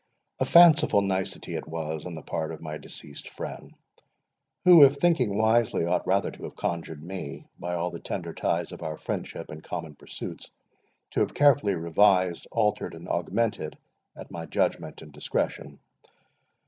A fanciful nicety it was on the part of my deceased friend, who, if thinking wisely, ought rather to have conjured me, by all the tender ties of our friendship and common pursuits, to have carefully revised, altered, and augmented, at my judgment and discretion.